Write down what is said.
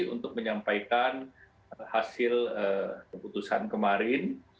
untuk menyampaikan hasil keputusan kemarin